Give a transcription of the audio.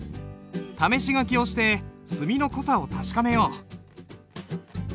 試し書きをして墨の濃さを確かめよう。